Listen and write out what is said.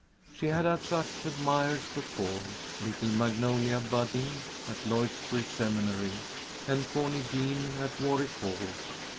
She had had such admirers before: little Magnolia Budine at Lloydsboro Seminary, and Cornie Dean at Warwick Hall.